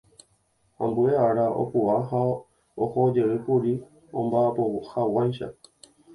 Ambue ára opu'ã ha ohojeýkuri omba'apohag̃uáicha.